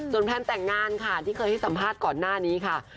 แพลนแต่งงานค่ะที่เคยให้สัมภาษณ์ก่อนหน้านี้ค่ะ